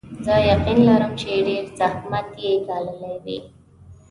زه یقین لرم چې ډېر زحمت یې ګاللی وي.